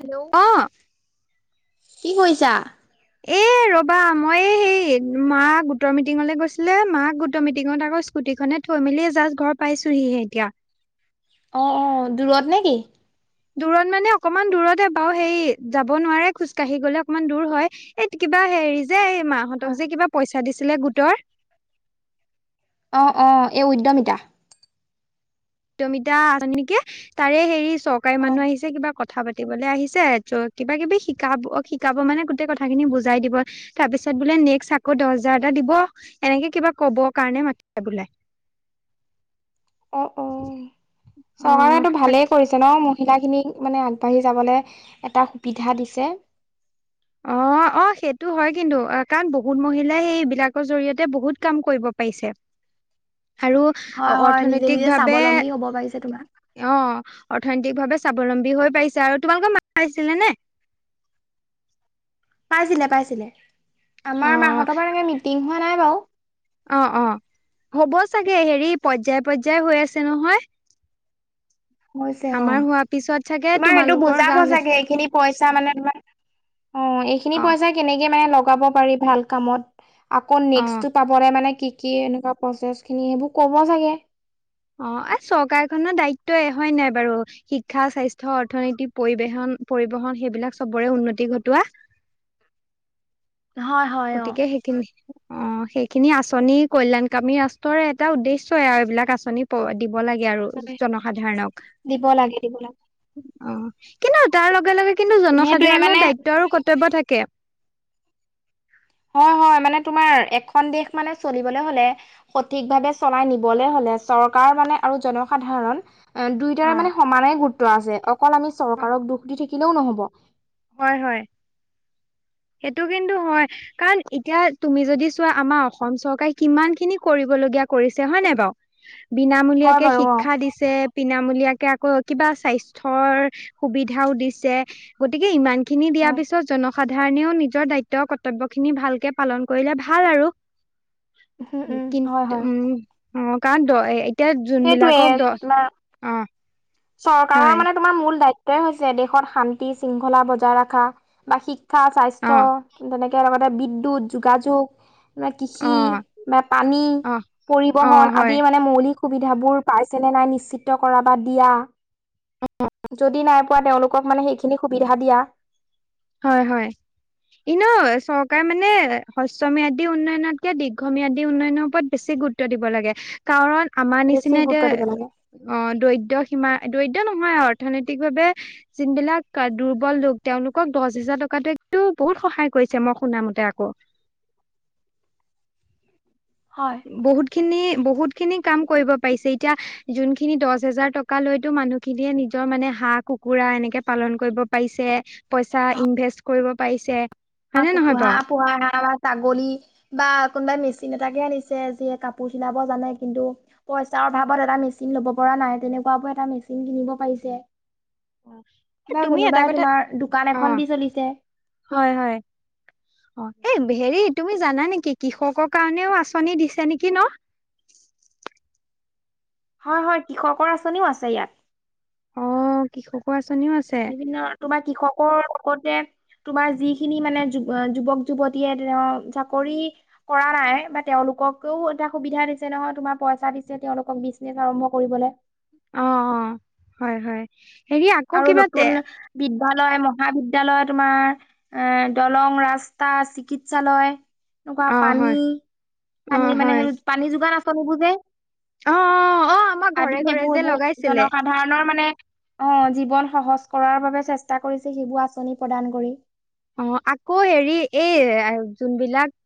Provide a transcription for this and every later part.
Hello, অ', কি কৰিছা? এ ৰ'বা মই হেই মা গোটৰ মিটিঙলৈ গৈছিলে, মাক গোটৰ মিটিঙত আকৌ স্কুটিখনে থৈ মেলি জাষ্ট ঘৰ পাইছোহি এতিয়া। অ', অ', দূৰত নে কি? দূৰত মানে অকমান দূৰতে বাৰু। সেই যাব নোৱাৰে খোজকাঢ়ি গলে অকনমান দূৰ হয়। এই কিবা হেৰি যে, এই হয়, মাহঁতক যে কিবা পইচা দিছিলে গোটৰ। অ- অ, এই উদ্যমিতা। উদ্যমিতা আঁচনিক নেকি, তাৰে হেৰি চৰকাৰী হয়, মানুহ আহিছে। কিবা কথা পাতিবলৈ আহিছে। ত কিবা কিবি শিকাব -শিকাব মানে গোটেই কথাখিনি বুজাই দিব। তাৰপিছত বোলে, নেক্সট আকৌ দহ হাজাৰ এটা দিব। এনেকে কিবা কবৰ কাৰণে মাতি বোলে। অ', অ',, চৰকাৰে অ', টো তাকে ভালেই কৰিছে। জনৰ মহিলা খিনিক মানে, আগবাঢ়ি যাবলৈ এটা সুবিধা দিছে। অ'। অ, সেইটো হয় কিন্তু। কাৰণ বহুত মহিলাই সেইবিলাকৰ জৰি়য়তে বহুত কাম কৰিব পাৰিছে। আৰু হয় -হয় নিজে- নিজে অৰ্থনৈতিকভাৱে স্বাৱলম্বী হ'ব পাৰিছে তোমাৰ। অ', অৰ্থনৈতিক ভাৱে স্বাৱলম্বী হৈ পাইছে। আৰু তোমালোকৰ মা পিছিলে নে? পাইছিলে পাইছিলে। আমাৰ অ', মাহঁতৰ পৰা এনেক মিটিং হোৱা নাই বাৰু। অ', অ, হ'ব চাগে। হেৰি পৰ্যায়- পৰ্যায় হৈ আছে নহয়। হৈছে অ। আমাৰ হোৱাৰ পিছত চাগে তোমাৰ সেইটো তোমালোকৰ বুজাব গাঁৱলে চাগে এইখিনি পইচা মানে তোমাৰ অ, এইখিনি অ', পইচা কেনেকে মানে লগাব পাৰি ভাল কামত। আকৌ অ', নেক্সটটো পাবৰে মানে কি কি? এনেকুৱা প্ৰচেছ খিনি সেইবোৰ ক'ব চাগে। অ, চৰকাৰখনৰ দায়িত্বই হয় নাই বাৰু? শিক্ষা, স্বাস্থ্য, অৰ্থনীতি, পৰিবহন- পৰিবহন সেইবিলাক চবৰে উন্নতি ঘটোৱা। হয়। হয়, অ'। গতিকে, সেইখিনি। অ, সেইখিনি আঁচনি কল্যাণকামী ৰাষ্ট্ৰৰ এটা উদ্দেশ্যই আৰু। এইবিলাক আঁচনি পৰে। দিব লাগে আৰু হয় জনসাধাৰণক। দিব লাগে দিব লাগে অ, কিন্তু তাৰ লগে - লগে কিন্তু সেইটোয়ে মানে জনসাধাৰণৰো দায়িত্ব আৰু কৰ্তব্য থাকে। হয়- হয় মানে তোমাৰ এখন দেশ মানে চলিবলে হলে সঠিক ভাৱে চলাই নিবলৈ হলে, চৰকাৰ মানে আৰু জনসাধাৰণ দুইটাৰে অ' মানে সমানে গুৰুত্ব আছে। অকল আমি চৰকাৰক দুখ দি থাকিলেও নহব। হয়- হয়। সেইটো কিন্তু হয়। কাৰণ এতিয়া তুমি যদি চোৱা আমাৰ অসম চৰকাৰে কিমান খিনি কৰিবলগীয়া কৰিছে। হয় নাই বাৰু? [inaudible] হয় বিনামূলীয়াকে বাৰু অ শিক্ষা দিছে। বিনামলীয়াকে আকৌ কিবা স্বাস্থ্যৰ সুবিধাও দিছে। গতিকে ইমান খিনি দিয়াৰ হয় পিছত জনসাধাৰণেও নিজৰ দায়িত্ব কৰ্তব্য খিনি ভালকে পালন কৰিলে ভাল আৰু। উম উম হয় কিন্ত, হয় উম, অ, কাৰণ দ এতিয়া সেইটোয়ে যোনবিলাকক তোমাৰ দহ অ। চৰকাৰৰ হয় মানে তোমাৰ মূল দায়িত্বয়ই হৈছে, দেশত শান্তি শৃংখলা বজাই ৰখা বা শিক শিক্ষা, স্বাস্থ্য, অ' তেনেকে লগতে বিদ্যুৎ, যোগাযোগ। না কৃষি অ' না পানী অ' অ' পৰিবহন হয় আদি মানে মৌলিক সুবিধাবোৰ পাইছেনেে নাই নিশ্চিত কৰা বা দিয়া [inaudible] যদি নাই পোৱা তেওঁলোকক মানে সেইখিনি সুবিধা দিয়া। হয় হয়। ই ন চৰকাৰ মানে হ্ৰস্বম্যাদী উন্নয়নতকৈ দীৰ্ঘম্যাদী উন্নয়ন ওপৰত বেছি গুৰুত্ব গুৰুত্ব দিব লাগে কাৰণ আমাৰ বেছি নিচিনা গুৰুত্ব এতিয়া দিব লাগে। অ দৰিদ্ৰ সীমা দৰিদ্ৰ নহয় অৰ্থনৈতিক ভাৱে যিনবিলাক দুৰ্বল লোক তেওঁলোক মোক দহ হেজাৰ টকাটো একটো বহুত সহায় কৰিছে মই শুনামতে আকৌ। হয়। বহুত খিনি বহুত খিনি কাম কৰিব পাৰিছে এতিয়া যোনখিনি দহ হেজাৰ টক থকালৈতো মানুহখিনিয়ে নিজৰ মানে হাঁহ, কুকুৰা এনেকে পালন কৰিব পাৰিছে। পইচা ইনভেষ্ট কৰিব পাৰিছে। হাঁহ, হয়নে নহয় কুকুৰা বাৰু? পোহা এটা এটা মানে ছাগলী বা কোনোবাই মেচিন এটাকে আনিছে যিয়ে কাপোৰ চিলাব জানে কিন্তু পইচাৰ অভাৱত এটা মেচিন লব পৰা নাই তেনেকুৱা এটা মেচিন কিনিব পাৰিছে। এ বা তুমি এটা কোনোবাই কথা তোমাৰ দোকান অ' এখন দি চলিছে। হয় হয়। অ' এই হেৰিত তুমি জানা নেকি কৃষকৰ কাৰণেও আঁচনি দিছে নেকি ন'? হয় হয় কৃষকৰ আঁচনিও আছে ইয়াত। অ' কৃষকৰ আঁচনিও আছে। বিভিন্ন তোমাৰ কৃষকৰ লগতে তোমাৰ যিখিনি মানে যুৱক যুৱতীয়ে ধৰা চাকৰি কৰা নাই বা তেওঁলোককওঁ এটা সুবিধা দিছে নহয়, তোমাৰ পইচা দিছে তেওঁলোকক বিজনেচ আৰম্ভ কৰিবলৈ। অ', অ'। হয় হয়। হেৰি আকৌ আৰু কিবা তে নতুন বিদ্যালয়, মহাবিদ্যালয় তোমাৰ আ, দলং, ৰাস্তা, চিকিৎসালয় এনেকুৱা অ পানী হয় অ পানী মানে হয় সেই পানী যোগান আঁচনিবোৰ যে অ অ অ আমাৰ আদি ঘৰে ঘৰে এইবোৰ যে এইবোৰ লগাইছিলে জনসা সাধাৰণৰ মানে অ' জীৱন সহজ কৰাৰ বাবে চেষ্টা কৰিছে সেইবোৰ আঁচনি প্ৰদান কৰি। অ' আকৌ হেৰি এই যোনবিলাক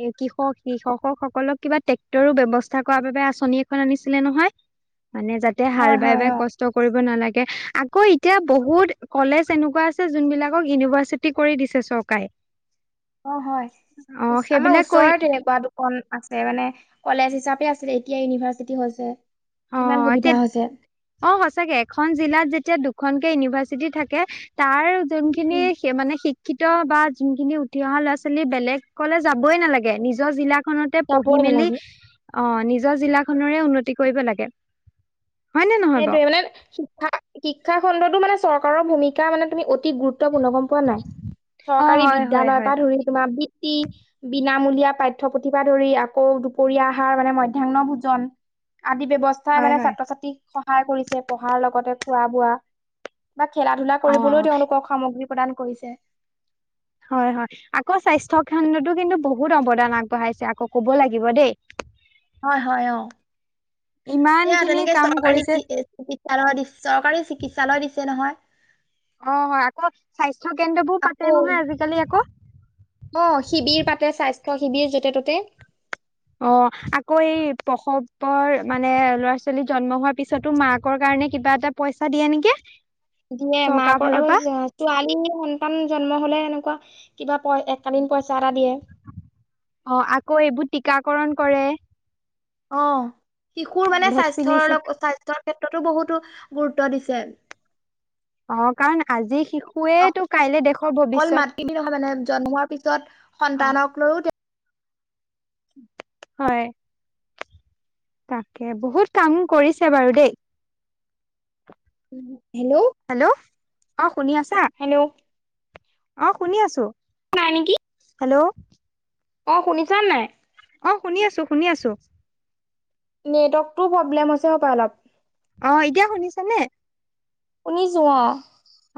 এ, কৃষক কৃষকসকলক কিবা ট্ৰেক্টৰ ব্যৱস্থা কৰাৰ বাবে আঁচনি এখন আনিছিলে নহয়। মানে যাতে হাল হয় বাই হয় বাই অ'। কষ্ট কৰিব নালাগে। আকৌ এতিয়া বহুত কলেজ এনেকুৱা আছে যোনবিলাকক ইউনিভাৰ্চিট চিটি কৰি দিছে চৰকাৰে। অ' অ হয়। আমাৰ সেইবিলাক কৈ ওচৰৰে তেনেকুৱা কন আছে, মানে কলেজ হিচাপে আছিলে এতিয়া ইউনিভাৰ্চিটি হৈছে। অ কিমান তে সুবিধা হৈছে। অ' সঁচাকে এখন জিলাত যেতিয়া দুখনকে ইউনিভাৰ্চিটি থাকে তাৰ যোনখিনি উম। শে মানে শিক শিক্ষিত বা জোনখিনি উঠি অহা ল'ৰা ছোৱালী বেলেগলৈ যাবই নালাগে, নিজৰ জিলাক খনতে পঢ়ি যাবই মেলি নালাগে অ' নিজৰ জিলাখনৰে উন্নতি কৰিব লাগে। হয় নে নহয় বাৰু সেইটোৱে মানে শিক্ষা শিক্ষাখণ্ডতো মানে চৰকাৰৰ ভূমিকা মানে তুমি অতি গুৰুত্বপূৰ্ণ গম পোৱা নাই, অ চৰকাৰী হয় হয় হয় বিদ্যালয়ৰপৰা ধৰি তোমাৰ বৃত্তি বিনামূলীয়া পাঠ্যপুতিৰপৰা ধৰি আকৌ দুপৰীয়া আহাৰ মানে মথ্যাহ্ন ভোজন আদি ব্যৱস্থা হয় মানে হয় ছাত্ৰ ছাত্ৰীক সহায় কৰিছে, পঢ়াৰ লগতে খোৱা বোৱা। বা খেলা ধূলা অ কৰিবলৈও তেওঁলোকক সামগ্ৰী প্ৰদান কৰিছে। হয় হয়। আকৌ স্বাস্থ্যখণ্ডটো কিন্তু বহুত অৱদান আগবঢ়াইছে আকৌ ক'ব লাগিব দেই। হয় হয় অ'। ইমান সেয়া খিনি তেনেকে কাম চৰকাৰী কৰিছে টি এ চালয় দি চৰকাৰী চিকিৎসালয় দিছে নহয়। অ' হয়। আকৌ স্বাস্থ্য কেন্দ্ৰবোৰ আকৌ পাতে নহয় আজিকালি আকৌ। অ' শিবিৰ পাতে, স্বাস্থ্য শিবিৰ য'তে ত'তে। অ' আকৌ এই প্ৰসৱৰ মানে ল'ৰা ছোৱালী জন্ম হোৱাৰ পিছতো মাকৰ কাৰণে কিবা এটা পইচা দিয়ে নেকি? দিয়ে, চৰকাৰৰ মাকৰ ফালৰ আৰু পৰা ছোৱালী সন্তান জন্ম হলে এনেকুৱা কিবা পই একালীন পইচা এটা দিয়ে। অ' আকৌ এইবোৰ টীকাকৰণ কৰে। অ'। শিশুৰ মানে স্বাস্থ্যৰ ভেকচিনেচন লগ স্বাস্থ্যৰ ক্ষেত্ৰতো বহুতো গুৰুত্ব দিছে। অ' কাৰণ আজি শিশুৱেইতো কাইলে দেশৰ অকল ভৱিষ্যত মাত বি নহয় মানে জন্মোৱাৰ পিছত অ সন্তানক লৈও হয়। তাকে বহুত কাম কৰিছে বাৰু দেই! হেল্ল'? হেল্ল' অ শুনি আছা? হেল্ল'? অ শুনি আছো! নাই নেকি? হেল্ল'? অঁ শুনিছা নাই? অ শুনি আছো শুনি আছো! নেটৱৰ্কটো প্ৰব্লেম আছে হ'ব অলপ। অ এতিয়া শুনিছ নে? শুনিছো অ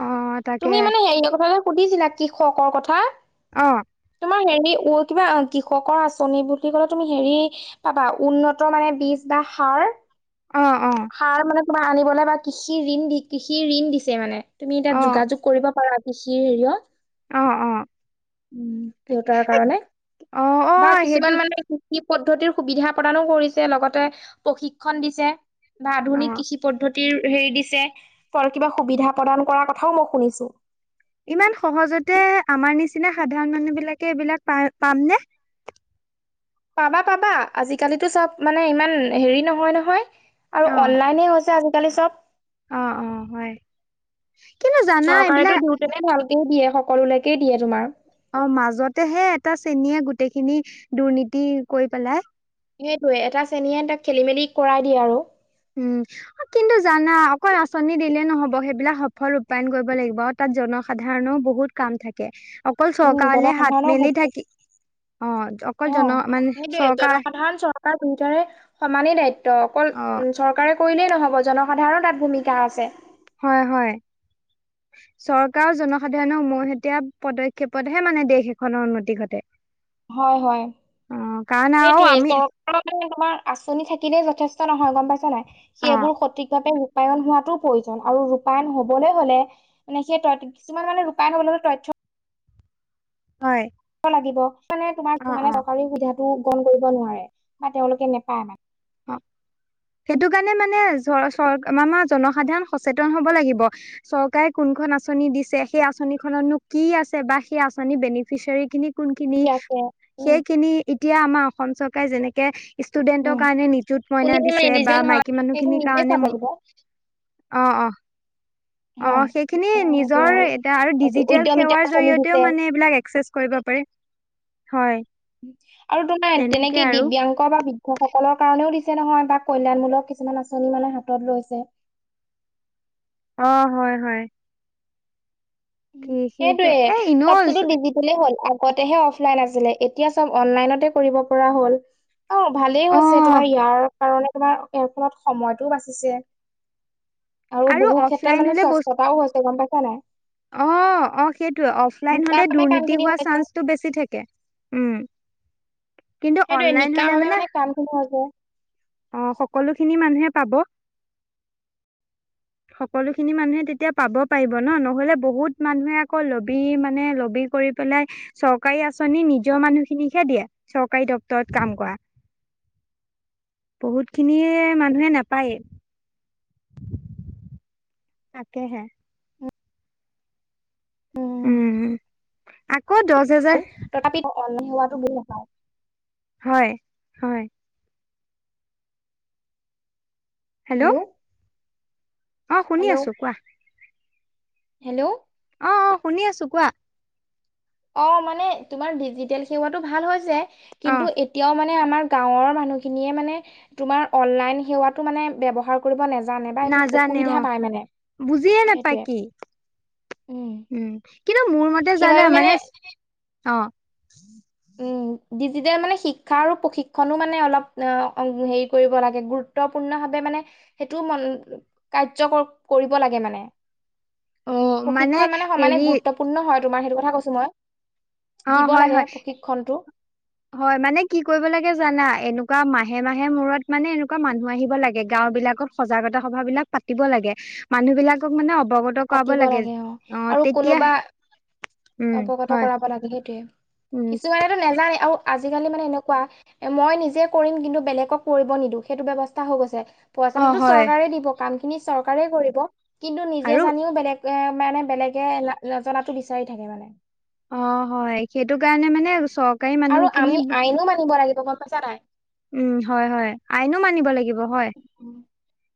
অ তাকে তুমি মানে হেৰিয় কথাালৈ সুধিছিলা কি খকৰ কথা! অ। তোমাৰ হেৰি কিবা কৃষকৰ আঁচনি বুলি কলে তুমি হেৰি! পাবা উন্নত মানে বীজ বা সাৰ। অ অ। সাৰ মানে তোমাৰ আনিবলৈ বা কৃষি ঋণ দি কৃষি ঋণ দিছে মানে তুমি অ ততিাত যোগাযোগ কৰিব পাৰা। কৃষিৰ হেৰিয়ত! অ অ উ তাকে দেউতাৰ কাৰণে অ অ বা সেইটো কিছুমান মানে? কৃি পদ্ধতিৰ সুবিধা প্ৰদানো কৰিছে লগতে প্ৰশিক্ষণ দিছে। বা অ আধুনিক কৃষি পদ্ধতিৰ হেৰি দিছে ফ কিবা সুবিধা প্ৰদান কৰাৰ কথাও মই শুনিছো। ইমান সহজতে আমাৰ নিচিনা সাধাৰণ মানুহ বিলাকে এইবিলাক পাই পাম নে? পাবা পাবা আজিকালিিতো চব মানে ইমান হেৰি নহয় নহয়! আৰু অ', অনলাইনে হৈছে আজিকালি চব। অ অ হয়। কেনে জান? চৰকাৰেেতো দিওঁতেনে ভালকে দিয়ে সকলোলৈকে দিয়ে তোমাৰ। অ মাজতেহে এটা শ্ৰেনীয়ে গোটেইখিনি দুৰ্নীতি কৰি পেলাই! সেইটয়ে এটা চেনীয়ে তাক খেলি মেলি কৰাই দিয়ে আৰু! উম কিন্তু জানা অকল আঁচনি দিলে নহব সেইবিলাক সফল ৰূপায়ন কৰিব লাগিব। তাত জনসাধাৰণও বহুত কাম থাকে অকল উম চৰকাৰলে হাত জনসাধাৰণৰ মেলি গুৰুত্ব থাকি। অ অকল জন মানে চৰকাৰ। ত পিতৰে সমানেই দায়িত্ব অকল। অ', চৰকাৰে কৰিলেই নহ'ব জনসাধাৰণৰ তাত ভূমিকা আছে! হয় হয়। চৰকাৰৰ জনসাধাৰণৰ মৈহতীয়া পদক্ষেপতহে মানে দেশ এখনৰ উন্নতি ঘটে। হয় হয় অ', কাৰণ আৰু সেইটোোৱে আমি চ। মানে তোমাৰ আঁচনি থাকিলে যথেষ্ট নহয় গম পাইছা নাই অ', সেইবোৰ সঠিকভাৱে ৰূপায়ন হোৱাটো প্ৰয়োজন আৰু ৰূপায়ন হবলৈ হ'লে মানে সেই ত কিছুমান মানে ৰূপায়ণ হবলে হ'লে তথ্য হয় লাগিব মানে তোমাৰ অ', মানে অ', চৰকাৰী সুবিধাটো গণ কৰিব নোৱাৰে বা তেওঁলোকে নেপায় মানে অ সেইটো কাৰণে মানে চৰ আমাৰ জনসাধাৰণ সচেতন হব লাগিব চৰকাৰে কোনখন আঁচনি দিছে সেই আঁচনিখননো কি আছে বা সেই আঁচনি বেনিফিচিয়াৰী খিনি কোন খিনি কি আছে উম, সেইখিনি এতিয়া আমাৰ অসম চৰকাৰে যেনেকে ষ্টুডেণ্টক। উম, নিযুত মইনা কোনে দিছে বা ইলিজিবল হয় মাইকী মানুহ সেইটো খিনিৰ নিজে কাৰণে চাব লাগিব অ অ অ হয়। সেইখিনি নিজৰ এইটো এতিয়া আৰু এইটো ডিজিটেল উদ্যমিতা সেৱাৰ আঁচনি দিছে জৰিয়তেও মানে এইবিলাক একচেছ কৰিব হয় আৰু তোমাৰ তেনেকে দিব্যাংগ বা বৃদ্ধ সকলৰ কাৰণনেও দিছে নহয় বা কল্যাণমূলক কিছুমান আঁচনি মানে হাতত লৈছে। অ হয় হয়। উ কি সেইটো এ সেইটোৱে, এনেও [unintelligible] হ'ল, আগতেহে অফলাইন আছিলে এতিয়া চব অনলাইনতে কৰিব পৰা হ'ল। অ ভালেই হৈছে অ', তোমাৰ ইয়াৰ কাৰণে তোমাৰ [unintelligible] খনত সময়তটোও বাচিছে। আৰু বহু ক্ষেত্ৰত অফলাইন মানে হলে বস স্বচ্ছতাও হৈছে গম পাইছা নাই? অ অ সেইটোয়ে অফলাইন নিকা হ'লে ভাৱে কাম দুৰ্নীতি খিনি হোৱা হৈছে চান্সটো বেছি থাকে। উম কিন্তু সেইটোৱে অনলাইন নিকা হলে ভাবে মানে কামটো হ'ব। অ সকলো খিনি মানুহে পাব। [inaudible] সকলো খিনি মানুহে তেতিয়া পাব পাৰিব ন, নহ'লে বহুত মানুহে আকৌ লবি মানে লবি কৰি পেলাই, চৰকাৰী আঁচনি নিজৰ মানুহখিনিকহে দিয়ে চৰকাৰী দপ্তৰত কাম কৰা। বহুত খিনিয়ে মানুহে নাপায়ে। তাকে হে। উম আকৌ দহ হেজাৰ তথাপি অনলাইন হোৱাতো [unintelligible] হয় হয়। হেল্ল'। অ শুনি হেল্ল' আছো কোৱা হেল্ল'। অ অ শুনি আছোঁ, কোৱা? অ মানে তোমাৰ ডিজিটেল সেৱাটো ভাল হৈছে। অ কিন্তু এতিয়াও মানে আমাৰ গাঁৱৰ মানুহখিনিয়ে মানে তোমাৰ অনলাইন সেৱাটো মানে ব্যৱহাৰ কৰিব নেযা নাজানে অ, বুজিয়ে নাপায় সেইটোৱে কি। উম কিন্তু মোৰ মতে জানে মানে, অ। উম। ডিজিটেল মানে শিক্ষা আৰু প্ৰশিক্ষণো মানে অলপ হেৰি কৰিব লাগে, গুৰুত্বপূৰ্ণ ভাৱে মানে সেইটোও মন কাৰ্য কৰিব লাগে মানে। অ প্ৰশিক্ষণ মানে সমানে হেৰি গুৰুত্বণূৰ্ণ পূৰ্ণ হয় তোমাৰ সেইটো কথা কৈছো মই, অ দিব হয় হয় লাগে প্ৰশিক্ষণটো। হয় মানে কি কৰিব লাগে জানা? এনেকুৱা মাহে মাহে মূৰত মানে এনেকুৱা মানুহ আহিব লাগে। গাঁও বিলাকত সজাগতা সভা বিলাক পাতিব লাগে, মানুহ বিলাকক মানে অৱগত কৰাব পাতিব লাগে। অ আৰু তেতিয়া কোনোবা উম অৱগত হয় কৰাব লাগে সেইটোৱে। উম কিছুমানেতো নাজানে আৰু আজিকালি মানে এনেকুৱা মই নিজে কৰিম কিন্তু বেলেগক কৰিব নিদো, সেইটো ব্যৱস্থা হৈ গৈছে। অ পইচাটোতো হয় চৰকাৰে দিব, কামখিনি চৰকাৰে কৰিব। কিন্তু নিজে আৰু জানিও বেলেগ এ মানে বেলেগে নজানাতো বিচাৰি থাকে মানে। অ হয় সেইটো কাৰণে মানে চৰ আৰু আমি আইনো মানিব লাগিব গম পাইছা নাই? উম হয় হয় আইনো মানিব লাগিব হয়।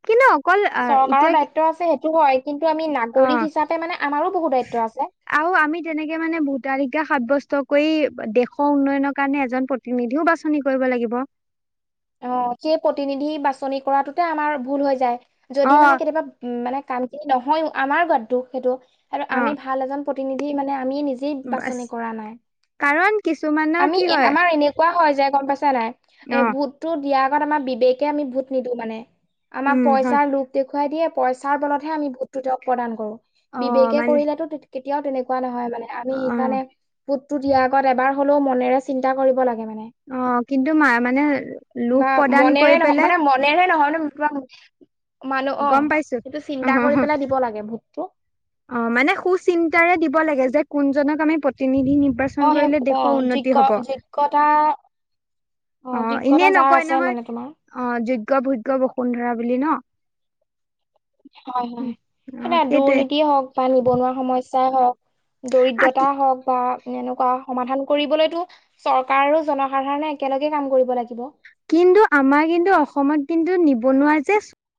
কিন্তু অকল আহ চৰকাৰৰ এতিয়া দায়িত্ব আছে সেইটো হয়। কিন্তু আমি অ নাগৰিক হিচাপে মানে আমাৰো বহুত দায়িত্ব আছে। আৰু আমি তেনেকে মানে ভূটালিকা সাব্যস্ত কৰি, দেশৰ উন্নয়নৰ কাৰণে এজন নিধিও বাছনি কৰিব লাগিব। অ সেই প্ৰতিনিধি বাছনি কৰাটোতে আমাৰ ভুল হৈ যায়। যদি মানে অ', কেতিয়াবা উম মানে কামখিনি নহয়ও আমাৰ গাত দোষ সেইটো আৰু আমি অ', ভাল এজন প্ৰতিনিধি মানে আমি নিজ যি বাছ বাছনি কৰা নাই। কাৰণ কিছুমানৰ আমি কি হয় আমাৰ এনে কোৱা হয় যে গম পাইছা নাই? এ অ', ভোটতটো দিয়াৰ আগত আমাৰ বিবেকে আমি ভোট নিদিও মানে আমাক উম, হয় পইচাৰ লোপ দেখুৱাই দিয়ে, পইচাৰ বলতহে আমি ভোটটো তেওঁক প্ৰদান কৰোঁ। অ', বিবেকে মানে কৰিলেো কেতিয়াও তেনেকুৱা নহয় মানে। আমি অ', সেইকাৰণে ভোতটো দিয়াৰ আগত এবাৰ হ'লেও মনেৰে চিন্তা কৰিব লাগে মানে। অ কিন্তু ম মানে লোভ প্ৰদান কৰি পেলাই এনে এনে নহয় ন, তোমাক মানুহ অ' গম পাইছো সেইটো চিন্তা কৰি অ', পেলাই দিব লাগে ভোটটো অ', মানে সুচিন্তাৰে দিব লাগে যে কোনজনক আমি প্ৰতিনিধি নিৰ্বা অ', সেই অ' যোগ্যতা অ' যোগ্যতা এনেই যাৰ নকয় আছে নহয় মানে তোমাৰ অ', যোগ্য, ভোগ্য, বসুন্ধৰা বুলি ন? হয় হয় মানে অ', সেইটোৱে দুৰ্নীতি হওক বা নিবনুৱা সমস্যাই হওক আ কি দৰিদ্ৰতা হওক বা এনেকুৱা সমাধান কৰিবলৈতো চৰকাৰ আৰু জনসাধাৰণে একেলগে কাম কৰিব লাগিব। কিন্তু আমাৰ কিন্তু অসমত কিন্তু নিবনুৱা যে